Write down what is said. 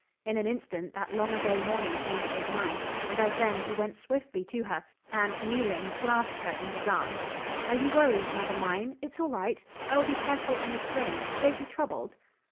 In an instant that long ago morning came to his mind, and as then he went swiftly to her, and, kneeling, clasped her in his arms. "Are you worried, mother mine? It's all right. I will be careful and restrained. Don't be troubled."